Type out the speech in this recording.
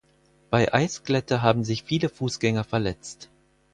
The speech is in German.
Bei Eisglätte haben sich viele Fußgänger verletzt.